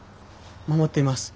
守っています。